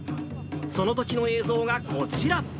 そのときの映像がこちら。